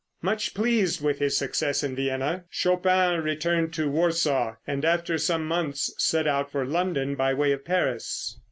] Much pleased with his success in Vienna, Chopin returned to Warsaw, and after some months, set out for London, by way of Paris.